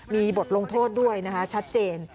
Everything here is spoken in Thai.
มีบทลงโทษด้วยนะคะชัดเจน